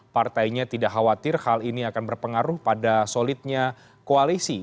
partainya tidak khawatir hal ini akan berpengaruh pada solidnya koalisi